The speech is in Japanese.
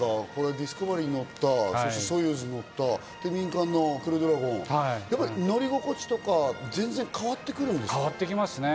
ディスカバリーに乗った、ソユーズに乗った、で、民間のクルードラゴン、乗り心地とか変わってくるんです変わってきますね。